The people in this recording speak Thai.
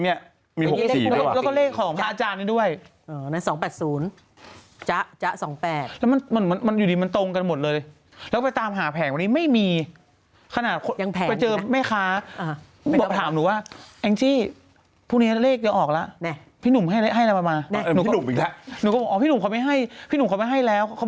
ในทวิตเตอร์เนี่ยมาหมดเลยจริงจริงนี่หนูนี่หนูคุณไข่ทุนต้นหอมกว่าสองแปด